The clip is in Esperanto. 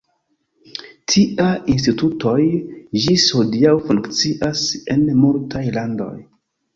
Tiaj institutoj ĝis hodiaŭ funkcias en multaj landoj.